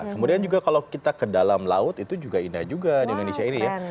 kemudian juga kalau kita ke dalam laut itu juga indah juga di indonesia ini ya